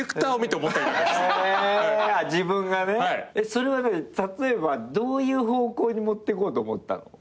それは例えばどういう方向に持ってこうと思ったの？